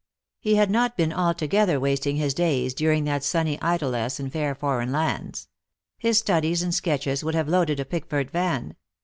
He had not been altogether wasting his days during that sunny idlesse in fair foreign lands. His studies and sketches would have loaded a Pickford van.